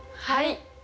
はい！